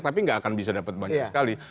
tapi nggak akan bisa dapat banyak sekali